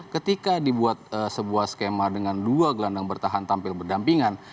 tapi kalau kita lihat sebuah skema dengan dua gelandang bertahan tampil berdampingan